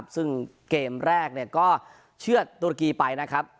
ซึ่งเกมแรกก็เชื่อตุลิกีไป๓๒